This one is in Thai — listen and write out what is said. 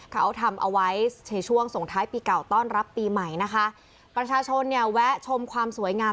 เขาทำเอาไว้ในช่วงส่งท้ายปีเก่าต้อนรับปีใหม่นะคะประชาชนเนี่ยแวะชมความสวยงาม